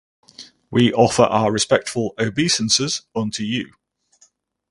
We offer our respectful obeisances unto You.